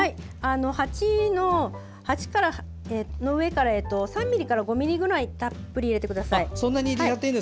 鉢の上から３ｍｍから５ｍｍたっぷり入れてください。